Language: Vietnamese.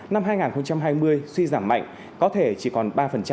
năm hai nghìn hai mươi suy giảm mạnh có thể chỉ còn ba